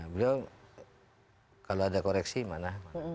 beliau kalau ada koreksi mana